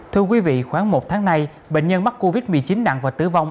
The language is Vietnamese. thưa quý vị khoảng một tháng nay bệnh nhân mắc covid một mươi chín nặng và tử vong